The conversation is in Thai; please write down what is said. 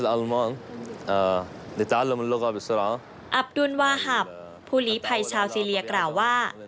อับดุลวาหับผู้หลีภัยชาวซีเรียกล่าวว่า